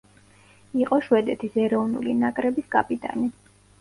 იყო შვედეთის ეროვნული ნაკრების კაპიტანი.